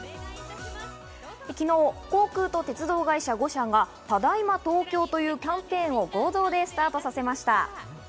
昨日、航空と鉄道会社の５社が「ただいま東京」というキャンペーンを合同でスタートさせました。